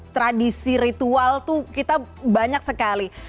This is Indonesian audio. tradisi ritual itu kita banyak sekali